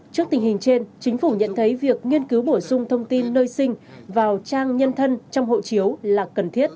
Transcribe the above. trước tình hình trên chính phủ nhận thấy việc nghiên cứu bổ sung thông tin nơi sinh vào trang nhân thân trong hộ chiếu là cần thiết